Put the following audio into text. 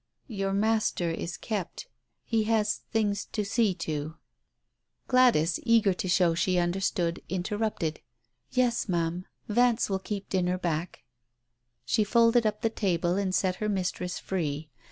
"Your master is kept. ... He has things to see to. ..." Digitized by Google THE OPERATION 69 Gladys, eager to show she understood, interrupted. "Yes, Ma'am, Vance will keep dinner back." She folded up the table and set her mistress free.